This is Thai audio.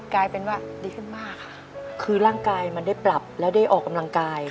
กลายเป็นว่าดีขึ้นมากค่ะคือร่างกายมันได้ปรับแล้วได้ออกกำลังกาย